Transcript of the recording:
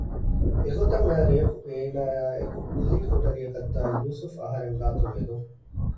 އެގޮތަށް އައި ރެޔަކު އޭނާއާއިއެކު ކުލީ ކޮޓަރިއަކަށް ދާން ޔޫސުފް އަހަރެން ގާތުން އެދުން